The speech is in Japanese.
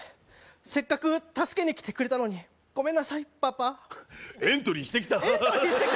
せっかく助けに来てくれたのにゴメンなさいパパエントリーしてきたエントリーしてきた？